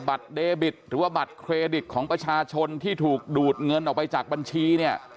เดบิตหรือว่าบัตรเครดิตของประชาชนที่ถูกดูดเงินออกไปจากบัญชีเนี่ย